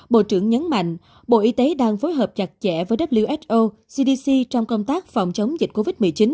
bộ trưởng nhấn mạnh bộ y tế đang phối hợp chặt chẽ với who cdc trong công tác phòng chống dịch covid một mươi chín